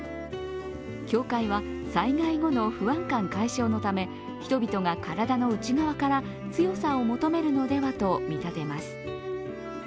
協会は、災害後の不安感解消のため人々が体の内側から強さを求めるのではと見立てます。